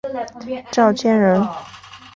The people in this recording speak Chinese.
赵谦人。